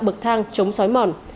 bậc thang chống sói mòn